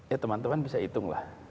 ya teman teman bisa hitunglah